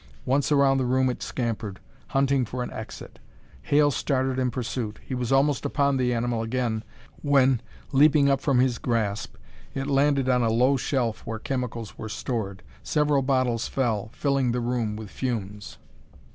Once around the room it scampered, hunting for an exit. Hale started in pursuit. He was almost upon the animal again, when, leaping up from his grasp, it landed on a low shelf where chemicals were stored. Several bottles fell, filling the room with fumes.